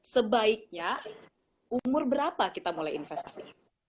sebaiknya umur berapa kita mulai investasi